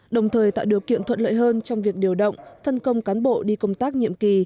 đồng thời tạo điều kiện thuận lợi hơn trong việc điều động phân công cán bộ đi công tác nhiệm kỳ